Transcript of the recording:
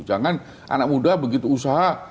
jangan anak muda begitu usaha